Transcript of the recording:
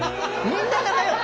みんな仲よく。